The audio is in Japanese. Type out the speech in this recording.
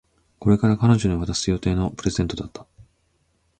これから彼女に渡す予定のプレゼントだった